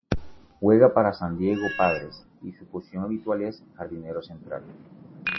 Juega para San Diego Padres y su posición habitual es jardinero central.